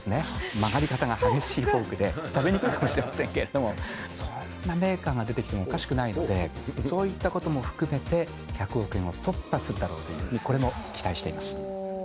曲がり方が激しいフォークで食べにくいかもしれないですけれども、そんなメーカーが出てきても、おかしくないので、そういったことも含めて１００億円を突破するだろうというふうに、これも期待しています。